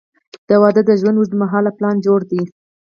• واده د ژوند اوږدمهاله پلان دی.